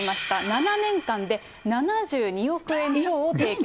７年間で、７２億円超を提供。